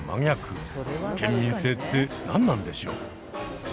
県民性って何なんでしょう。